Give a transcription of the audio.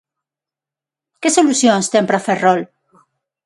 ¿Que solucións ten para Ferrol?